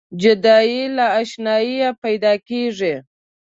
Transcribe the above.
جدایي له اشناییه پیداکیږي.